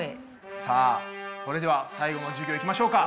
さあそれでは最後の授業いきましょうか。